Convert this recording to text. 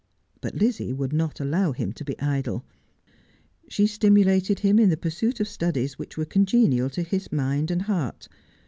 But Lizzie would not allow him to be idle. She stimulated him in the pursuit of studies which were congenial to his mind and heart.